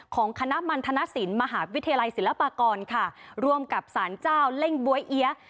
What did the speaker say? ของคณะมันธนสินมหาวิทยาลัยศิลปากรค่ะร่วมกับสารเจ้าเล่งบ๊วยเอี๊ยะ